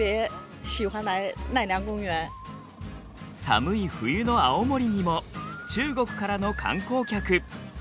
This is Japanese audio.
寒い冬の青森にも中国からの観光客。